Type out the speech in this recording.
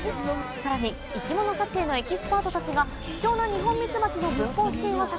さらに生き物撮影のエキスパートたちが貴重な日本ミツバチの分蜂シーンを撮影。